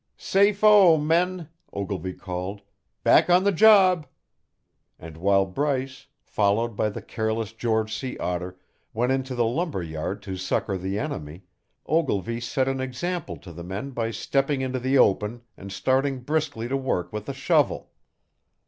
"Safe o, men," Ogilvy called. "Back to the job." And while Bryce, followed by the careless George Sea Otter, went into the lumber yard to succour the enemy, Ogilvy set an example to the men by stepping into the open and starting briskly to work with a shovel.